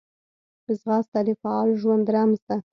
ځغاسته د فعال ژوند رمز ده